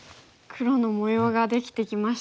黒の模様ができてきましたね。